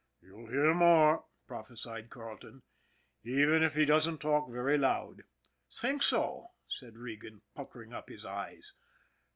''' You'll hear more," prophesied Carleton ;" even if he doesn't talk very loud." " Think so ?" said Regan, puckering up his eyes.